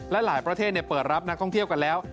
และหลายประเทศเปิดรับนักท่องเที่ยวกันแล้ว